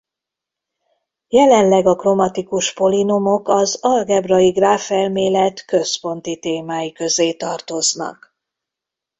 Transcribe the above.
Jelenleg a kromatikus polinomok az algebrai gráfelmélet központi témái közé tartoznak.